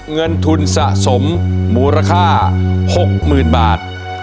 เงินทุนสะสมมูลค่า๖๐๐๐บาท